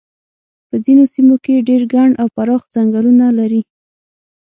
په ځینو سیمو کې ډېر ګڼ او پراخ څنګلونه لري.